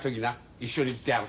一緒に行ってやる。